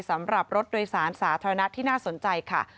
สำหรับรถโดยสารสาธารณะที่น่าสนใจค่ะ